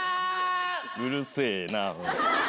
うるせぇな。